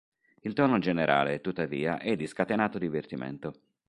Il tono generale, tuttavia, è di scatenato divertimento.